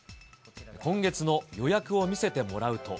今月の予約を見せてもらうと。